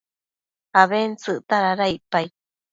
abentsëcta dada icpaid